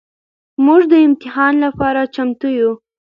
مونږ د امتحان لپاره چمتو يو.